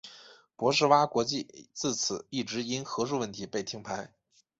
博士蛙国际自此一直因核数问题被停牌。